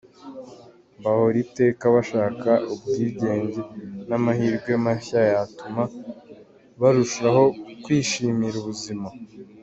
Bahora iteka bashaka ubwigenge n’amahirwe mashya yatuma barushaho kwishimira ubuzima.